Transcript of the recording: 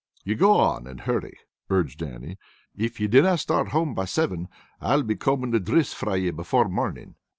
"Ye go on, and hurry," urged Dannie. "If ye dinna start home by seven, I'll be combing the drifts fra ye before morning."